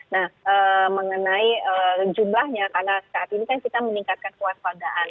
nah mengenai jumlahnya karena saat ini kan kita meningkatkan kewaspadaan